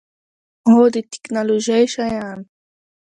هو، د تکنالوژۍ شیان